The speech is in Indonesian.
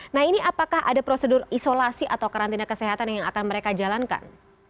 nah ini apakah ada prosedur isolasi atau karantina kesehatan yang akan mereka jalankan